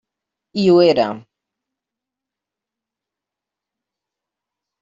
I ho era.